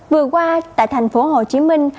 vừa qua tại thành phố hồ chí minh